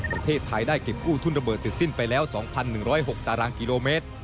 ประเทศไทยได้เก็บกู้ทุนระเบิดเสร็จสิ้นไปแล้ว๒๑๐๖ตารางกิโลเมตร